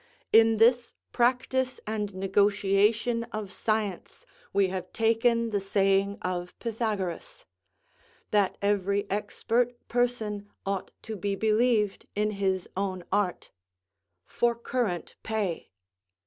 In this practice and negotiation of science we have taken the saying of Pythagoras, "That every expert person ought to be believed in his own art" for current pay.